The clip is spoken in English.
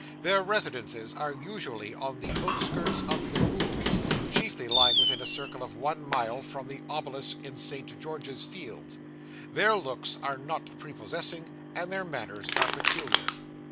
Their residences are usually on the outskirts of 'the Rules,' chiefly lying within a circle of one mile from the obelisk in St. George's Fields. Their looks are not prepossessing, and their manners are peculiar.